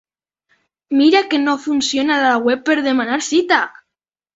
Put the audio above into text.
Mira que no funciona la web per demanar cita!